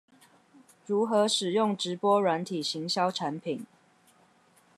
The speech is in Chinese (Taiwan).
如何使用直播軟體行銷產品